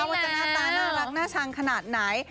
ว่าจะหน้าตาน่ารักน่าชังขนาดไหน